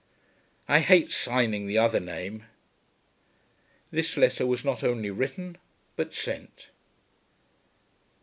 I hate signing the other name. This letter was not only written but sent.